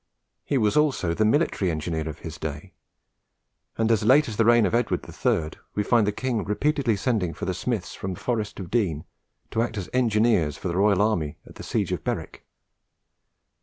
He was also the military engineer of his day, and as late as the reign of Edward III. we find the king repeatedly sending for smiths from the Forest of Dean to act as engineers for the royal army at the siege of Berwick.